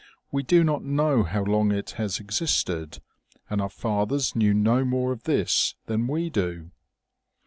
We do not know how long it has existed, and our fathers knew no more of this than we do.'